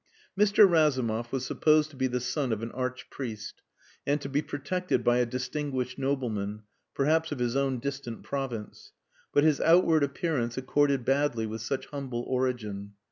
Mr. Razumov was supposed to be the son of an Archpriest and to be protected by a distinguished nobleman perhaps of his own distant province. But his outward appearance accorded badly with such humble origin.